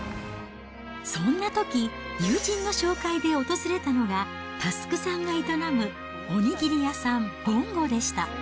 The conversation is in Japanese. そんなとき、友人の紹介で訪れたのが、祐さんが営むお握り屋さん、ぼんごでした。